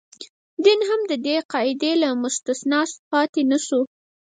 دین هم د دې قاعدې له مستثنا پاتې نه شو.